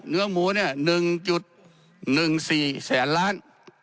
เนื้อหมูเนี่ย๑๑๔แสนล้าน